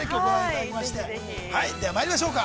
ではまいりましょうか。